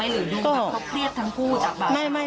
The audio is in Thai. หรือดูว่าเขาเครียดทั้งคู่จากแบบ